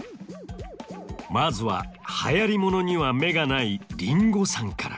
まずは流行り物には目がないりんごさんから。